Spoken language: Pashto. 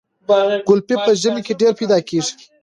ګلپي په ژمي کې ډیر پیدا کیږي.